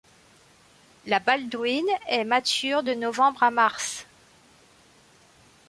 La Baldwin est mature de novembre à mars.